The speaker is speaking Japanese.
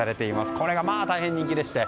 これがまあ、大変人気でして。